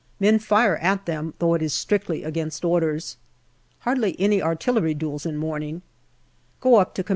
men fire at them, though it is strictly against orders. Hardly any artillery duels in morning. Go up to C.R.